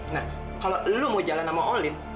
nah kalau lo mau jalan sama olim